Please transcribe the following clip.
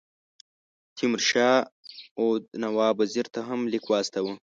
تیمور شاه اَوَد نواب وزیر ته هم لیک واستاوه.